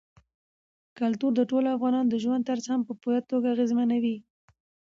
کلتور د ټولو افغانانو د ژوند طرز هم په پوره توګه اغېزمنوي.